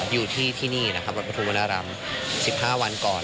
อยู่ที่ที่นี่นะครับวัดปฐุมวณารามสิบห้าวันก่อน